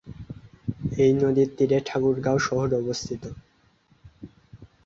এই নদীর তীরে ঠাকুরগাঁও শহর অবস্থিত।